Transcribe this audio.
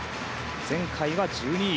前回は１２位。